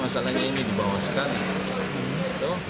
masalahnya ini di bawah sekali